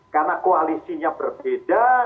karena koalisinya berbeda